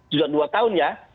sudah dua tahun ya